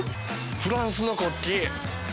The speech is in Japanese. フランスの国旗。